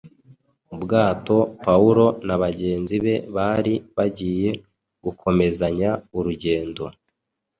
Ubwato Pawulo na bagenzi be bari bagiye gukomezanya urugendo